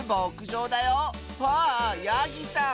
わあヤギさん！